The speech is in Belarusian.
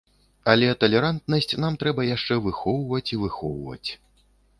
Але талерантнасць нам трэба яшчэ выхоўваць і выхоўваць.